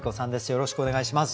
よろしくお願いします。